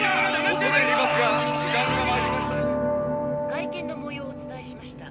「会見の模様をお伝えしました。